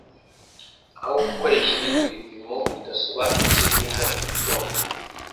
aho gukoresha ibindi bipimo bidasobanutse birimo ibikombe